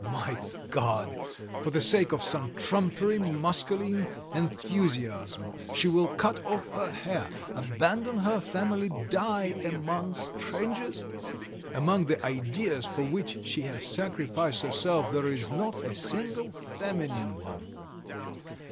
... My God! for the sake of some trumpery masculine enthusiasm she will cut off her hair, abandon her family, die among strangers! ... among the ideas for which she has sacrificed herself there is not a single feminine one.